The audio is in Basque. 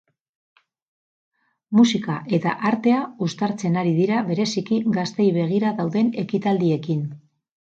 Musika eta artea uztartzen ari dira, bereziki gazteei begira dauden ekitaldiekin.